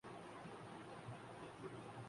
ان کی سوچ اور ہے، ترجیحات اور ہیں۔